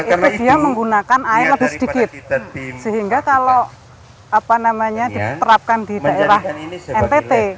itu dia menggunakan air lebih sedikit sehingga kalau diterapkan di daerah ntt